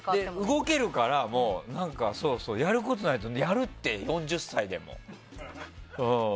動けるとやることないとやるって４０歳でも。